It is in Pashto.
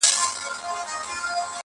سپینه ږیره سپین غاښونه مسېدلی!!